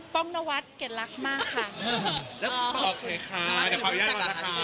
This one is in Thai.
ป้องนวัตต์เกดรักมาก